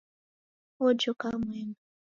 Ojoka mwembe.